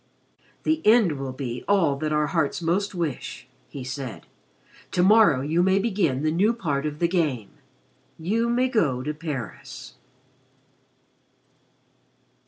"The end will be all that our hearts most wish," he said. "To morrow you may begin the new part of 'the Game.' You may go to Paris."